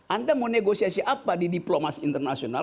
anda mau negosiasi apa di diplomasi internasional